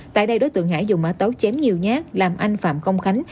tại đây đối tượng hải dùng mã tấu chém nhiều nhát làm anh phạm công khánh